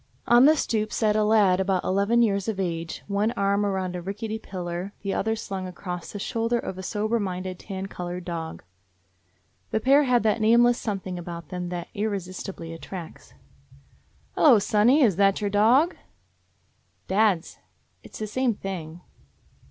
On the stoop sat a lad about eleven years 195 DOG HEROES OF MANY LANDS of age; one arm around a rickety pillar, the other slung across the shoulders of a sober minded, tan colored dog. The pair had that nameless something about them that irresisti bly attracts. "Hello, sonny. That your dog?" "Dad's. It 's the same thing."